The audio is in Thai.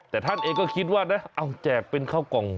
แต่ท่านเองก็คิดว่านะเอาแจกเป็นข้าวกล่อง